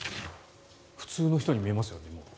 普通の人に見えますよね。